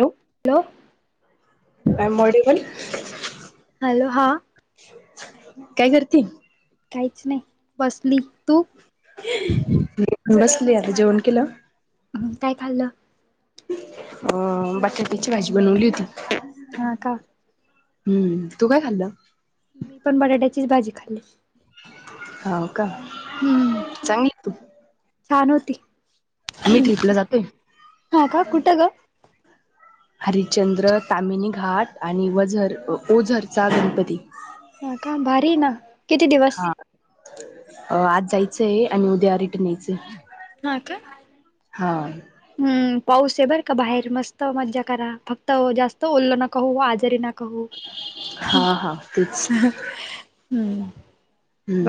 Hello I am मॉडेबल hello हा काय करते काहीच नाही बसली तू ता जेवण किलं काय खाल्लं अ बटाटची भाजी बनवली होती हा का हम्म तू काय खाल्लं? मी पण बटाट्याचीच भाजी खाल्ली होा का हम्म चांगली तू छान होती आम्ही ट्रिपला जातोय. हा का कुठ ग ह हरिचंद्र तामिनी घाट आणि वझर ओझरचा गणपती ह का भारी ना किती दिवस हा. अ आज जायचंय आणि उद्या हा का हा हम्म पाऊस आहे बर का बाहेर मस्त मज्जा करा फक्त जास्त ओल्लं नका हो आजारी नका क हा हा तेच. हम्म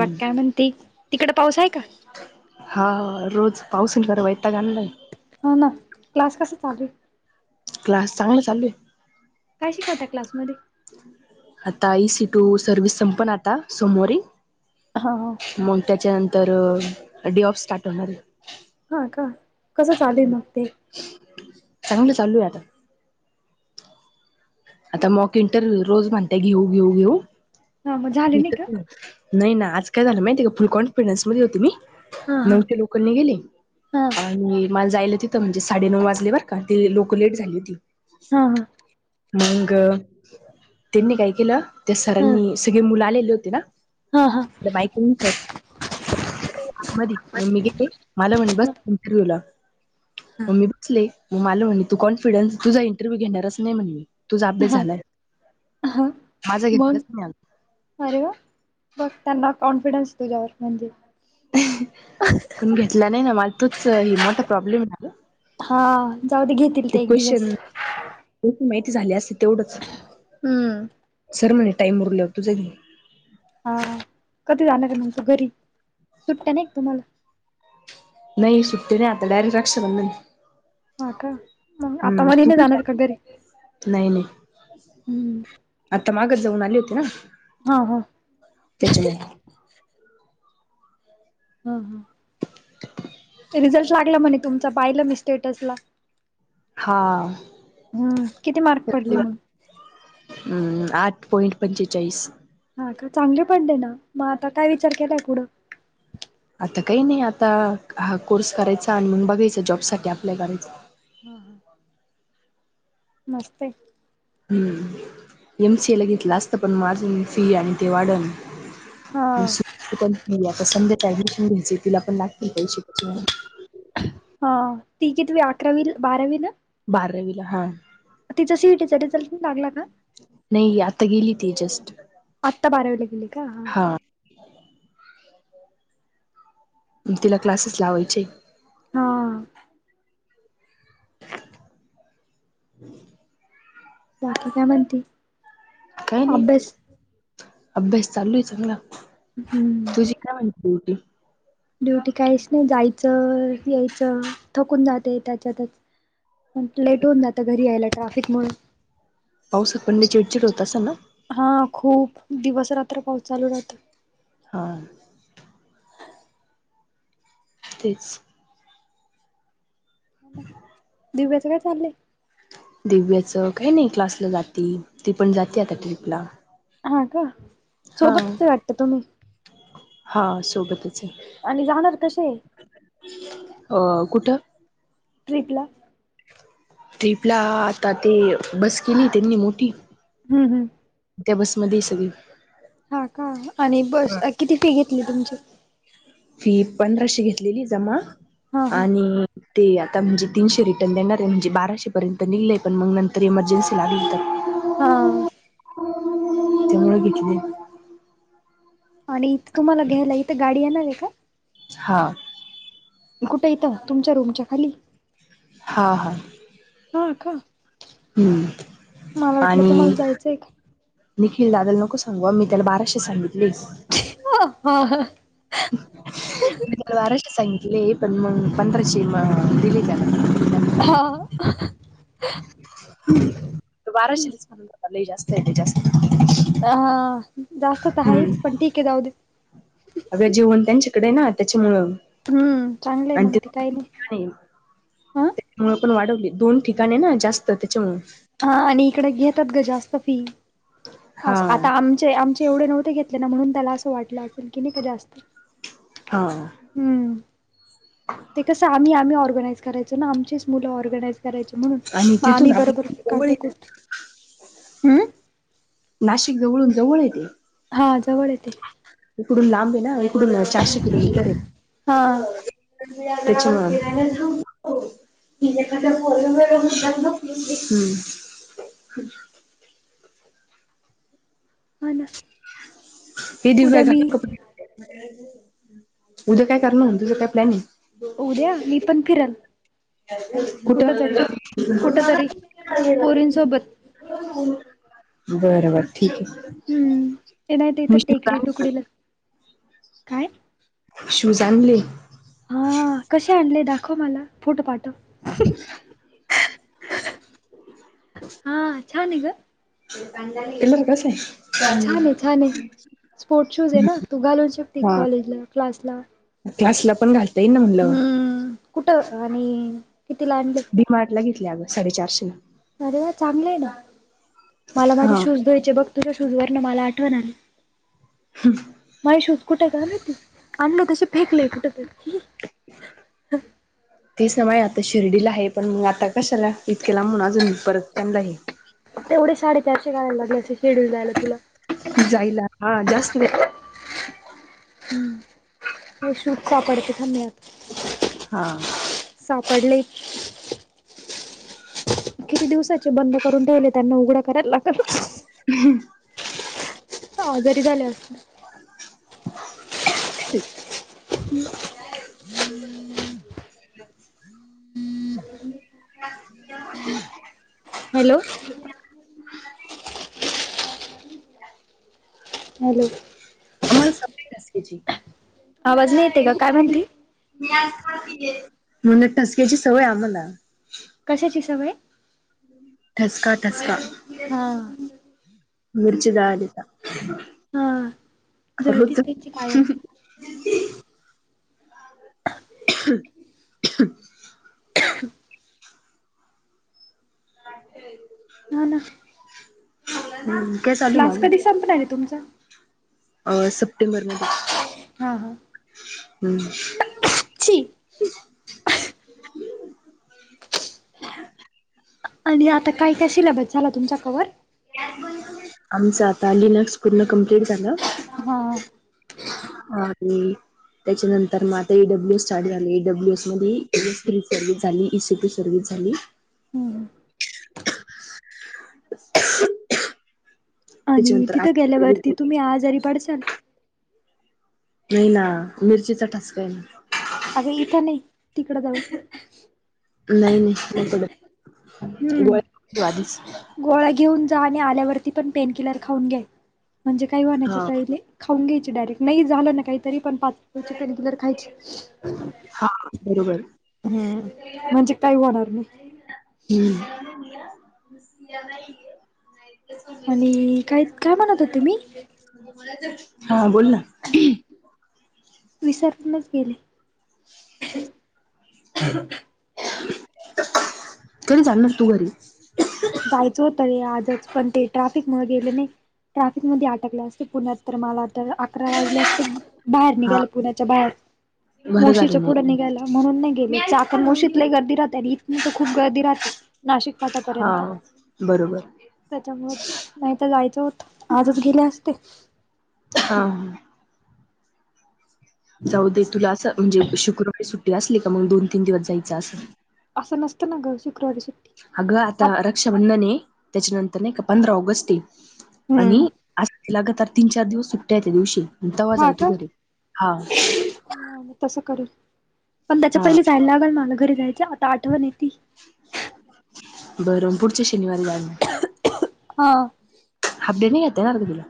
बघ काय म्हणते तिकड पाऊस आहे का हा रोज पावसून खराव यता गाणला हा ना क्लास कस चालू क्लास चांगला चालू आहे काय शिकवता क्लासमध्ये आता ई सीटू सर्विस संपण आता समारी हा मग त्याच्यानंतर तर डे ऑफ स्टार्ट होणार हा का कसं चालू आहे मग ते चांगलं चालू आहे आता आता मॉक इंटरव्ह्यू रोज म्हणताय घेऊ घेऊ घेऊ हा मग झाले का नाही ना आज काय झालं माहिती फुल कॉन्फिडन्स मध्ये होते मी हा हा नऊशे लोकांनी गेली हा आणि माझ जायलं तिथं म्हणजे साडे नऊ वाजल्यावरर का ती लोक लेट झाली होती हा ह मग त्यांनी काय केलं त्या हा सरांनी सगळे मुलं आलेले होते ना हा हा मायक मध म मी गे मला म्हणे बस हा इंटरव्ह्यू ला मग मी बसले मग आल म्हणे तू कॉन्फिडनस तुझा इंटरव्ह्यू घेणार असं नाही म्हण तुझ अपडेेस हा झालाय हा माझा घेतलाच मग नाही आला अरे वा बघ त्यांना कॉन्फिडन्स तुझ्यावर म्हणजे पण घेतला नाही ना मला तूच ह मोठा प्रॉब्लेम झाला हा जाऊ ते घेतील ते एक दिवस माहिती झाली असते तेवढंच हम्म तरर म्हणे टाईमवररले होतोच आहे हा कधी जाणार आहे म्हम त घरी सुट्ट्या नाही एक तुम्हाला नाही सुट्टी नाही आता डायरेक्ट रक्षाबंधनला हा का मग आता हम्म मध्ये तू नाही का जाणार घरी नाही नाही हम्म आता मग जाऊन आले होती ना हा हा त्याच्यामुळे हम हम रिझल्ट लागला म्हणे तुमच पाहिलं मी स्टेटसला हा हम् किती मार्क पडले मग आठ पॉइंट पंचेचाळीस का चांगले पण दे ना मग आता काय विचार केलाय पुुढं आता काही नाही आता हा कोर्स करायचा आणि म्हून बघायच जॉब साठी अप्लाय करायचा हा हा मस् हम्म एमसीए ला घेतलं असत पण माझ फी आणि ते वाढन हा आता संध्याच ऍडमिशन घ्यायची तिला पण लागतील पैसे हा ती किती अकरावी बारावी ना आर रवीला हा तिचा सीईटीचा रिझल्ट लागला का? नाही आता गेली तेी जस्ट आत्ता बारावीला गेली का ह हा तिला क्लासेस लावायचे हा ह बाकी काय म्हणते काय नाही अभ्यास अभ्यास चालू आहे चांगला हम्म तुझी काय म्हणती बटी ड्युटी काहीच नाही जायचं यायचं थकून जाते त्याच्यातच लेट होऊन ना आता घरी यायला ट्रॅफिक म्हणून पावसात पड चिडचिड होत अस ना हा खूप दिवस रात्र पाऊस चालू राहत ह तेच दिव्याच काय चाललंय दिव्याचं काही नाही क्लासला जाते ती पण जाते आता ट्रिपला हा का हा सोबतच वाटत तुम्ही हा सोबतच आहे आणि जाणार कसे अ कुठं ट्रिप ला ट्रिपला आता ते बस केली त्यांनी मोठी हम्म हम्म त्या बसमध्ये सगळी हा का आणि बस किती फी घेतली तुमची फी पंधराशे घेतलेली जमा हा हा आणि ते आता म्हणजे तीनशे रिटर्न देणार आहे म्हणजे बाराशेपर्यंत निघलेय पण मग नंतर इमर्जन्सी लागली तर हा त्यामुळे घेतले आणि इ तुम्हाला घ्यायला इथे गाडी येणार आहे का हा कुठे इथं तुमच्या रूमच्या खाली हा हा हा का हम्म मला वाटलं तुम्हाला आणि जायचंय का निखिल दादल नको सांगू मी त्याला बाराशे सांगितलं प्लीज हा म त्याला वाराश सांगित पण मग पंधराशे म दिली का हा बाराशे लस म्हणून ल जास्त आहे जास्त हा जास्तत आहेच पण ठीक आहे जाऊ दे अ जेवण त्यांच्याकडे ना त्या हम्म चांगलंय त्या मग ते काही नाही ह त्यामुळे पण वा दोन ठिकाणे ना जास्त त्याच्यामु हा आणि इकडें घेतात ग जास्त फी हा अस आता आमचे आमचे एवढे नव्हते घेतले ना म्हणून त्याला असं वाटलं असेल की नाही का जास्त हा हम्म ते कसं आम्ही आम्ही ऑर्गनाइज करायचो ना आमचेच मुलं ऑर्गनाइज करायचे म्हणून आणि म आम्ही तिथून बरोबर आपल्या जवळ आहे ना काटेकोठ हम् नाशिक जवळून जवळ येते हा जवळ येते इकडून लांब आहे ना इकडून चारशे किलोमीटर आहे हा अच्छा हनकर वर कात न होा ना हे दिव घ उद्या मी उद्या काय करणार तुझं काय प्लॅनिंग उद्या मी पण फिरण कुठंला कुठ तरी पोरींसोबत बरबर ठीक आहे हम्म ये नाही इथ मी शूज टेकडी टुकडीला आण काय शूज आण आणले हा कसे आणले दाखव मला फोटो पाठव हा छानान ग एलर कसे छान आहे छान आहे स्पोर्ट शूज आहे ना तू घालू शकते कॉलेजला क्लासला क्ला पण घा हम्म कुठं आणि कितीला आणले डीिमार्ट ला घेतली अगं साडेचारशे अरे वा चांगलं आहे ना मला माझे हा शूज दध्यायचे बघ तुझ्या शूज वर मला आठवण आली माझ शूज कुठ कामती आमलं तस फेकलं कुठ तर तेच नामा आता शिर्डीला आहे पण मग आता कशाला इतकला म्हणून अजून परत त्यांला आहे रायला लाग शेड्यूल जायला तुला जायला हा जास्त हम्म कशचछ पडते सम्यक हा सापडले किती दिवसाचे बंद करून ठेवले त्यांना उघडा करायला लागल ह् हजरी झाले असतते ह् ह अच्छा हॅलो [inaudible] हॅलो आम्हाला सांग की कशी आवाज नाही येते का काय म्हणते म्हणून एक ठसक्याची सवय आम्हाला कशाची सवय ठसका ठसका हा. मिरची जळाली त्याचा हा करत जळतीच त्यांची कायम [inaudible] [unintelligible] ह [inaudible] हा ना ह काय चालू माझ. क्लास कधी संपणार आहे तुमचा अ सप्टेंबर मध्ये हम्म. छी [unintelligible] आणि आता काय काय सिलेबस झाला तुमचा कवर आमचं आता लिनक्स पूर्ण कंप्लीट झालं. हा आणि त्याच्यानंतर मग आता ई डब्ल्यू एस स्टार्ट झालं ई डब्ल्यू एस मध्ये ए सर्विस झाली सर्व्हस झाली. हम्म [unintelligible] आणि त्याच्यानंतर आय तिथं सर्व्हिस गेल्यावरती झाली तुम्ही आजारी पडचाल नाही ना मिरचीचा ठसका आहे ना. अगं इथं नाही तिकडं जावचं नाही नाही नाही पडत. गोळा घेऊन जा आणि आल्यावरती पण पेन किलर खाऊन घे म्हणजे काही होण्याच्या हा आधी खाऊन घ्याय. डायरेट नाही झाल ना काही तरी पण खायची. हा बरोबर हम् म्हणजे काही होणार नाही. नाही नाही. आणि काय काय म्हणत होते मी हा बोल ना. विसरुनच गेले. [unintelligible] कधी चाललास तू घरी जायचं होतं रे ते ट्रफिक मध्ये आहे नाही ट्रफिक मध्ये अडकला असेल मला वाजल्या असते बाहेर हा निघाल पुण्याच्या बाहेर बरं झाले मावशीच्या नाही पुढं निघाला म्हणून नाही. चाक मोशीतले गर्दी राहते आणि इथून तर खूप गर्दी राहते नाशिक हा फाट्यापर्यंत बरोबर. त्याच्यामुळेच नाही तर जायचं होत आजच गेले असते. हा. जाऊ दे तुला असं म्हणजे शुक्रवारी सुट्टी असली का मग दोन तीन दिवस जायचं असं. असं नसतं ना ग. शुक्रवारी सुट्टी अगं आता रक्षाबंधन आहे त्याच्यानंतर नाही का पंधरा ऑगस्ट आणि हम्म आ लगातार तीन चार दिवस सुट्या आहेत त्या दिवशी तेव्हा जा हा का तू घरी हा. तसं करेल पण त्याच्या हा पहिली जायला लागल मला घरी जायचं आता आठवडा झाला. बर पुढच्या शनिवारी जा मग हा. इथे नाही येता येणार का तुला?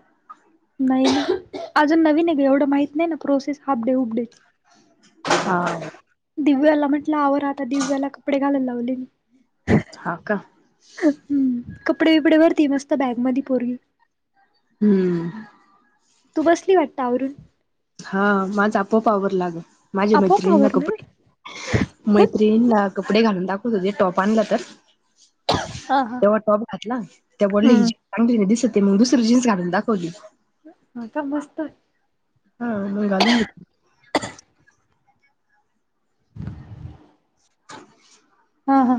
नाही अजून नवीन ये की, एवढं माहित नाही ना प्रोसेस हाफ डे उब डे ची. हा. म्हटलं आवर आता दिव्याला कपडे घालायला लावले मी हा का? कपडे-बिपडे भरतीय मस्त बॅग मधी पोरगी. हम्म. तू बसली वाटत आवरुण? हा माझं आपोआप आवरलं आग माझ्या आपोआप मैत्रिणींना आवरलं कपडे मैत्रिंणींना कपडे घालून दाखवत होते टॉप आणला तर हा हा तेव्हा टॉप घातला ती बोली हम्म. चांगली दिसती. ते मग दुसरी जीन्स घालून दाखवली. हा का मस्त आहे. हा मग घालून घेतली. हा हा